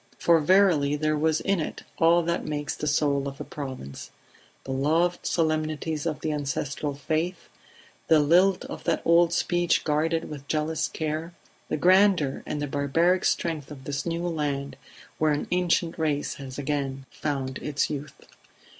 For verily there was in it all that makes the soul of the Province: the loved solemnities of the ancestral faith; the lilt of that old speech guarded with jealous care; the grandeur and the barbaric strength of this new land where an ancient race has again found its youth.